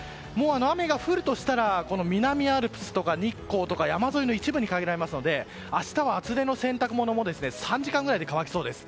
雨が降るとしたら南アルプスとか日光とか山沿いの一部に限られますので明日は厚手の洗濯物も３時間くらいで乾きそうです。